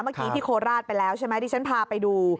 เมื่อกี้ที่โคราชไปแล้วใช่ไหมที่ฉันพาไปดู